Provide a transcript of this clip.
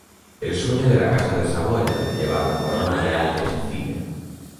El sueño de la Casa de Saboya de llevar la corona real es efímero.